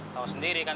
tahu sendiri kan